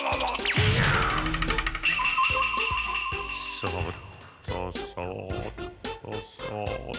そっとそっとそっ。